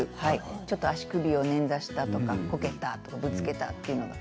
ちょっと足首を捻挫したとかこけたとか、ぶつけたとか。